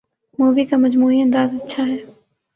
movie کا مجموعی انداز اچھا ہے